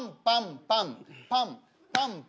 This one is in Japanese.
パンパン。